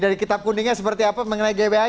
dari kitab kuningnya seperti apa mengenai gbhn